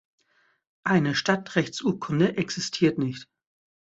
Eine Stadtrechtsurkunde existiert nicht.